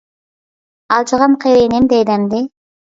ئالجىغان قېرى نېمە دەيدۇ ئەمدى؟!